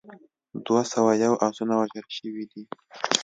دوه سوه یو اسونه وژل شوي دي.